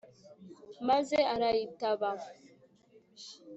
maze arayitaba